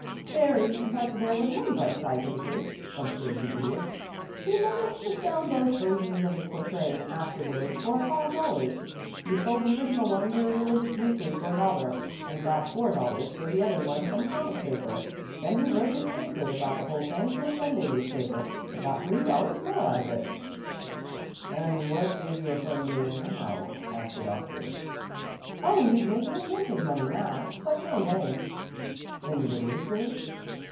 "Very; but there was one bright side to the case," observed the Idiot. "He managed to sell both versions of the quatrain afterwards for five dollars. He sold the original one to a religious weekly for a dollar, and got four dollars for the other one from a comic paper. Then he wrote an anecdote about the whole thing for a Sunday newspaper, and got three dollars more out of it." "And what is your friend doing now?" asked the Doctor. "Oh, he's making a mint of money now, but no name." "In literature?"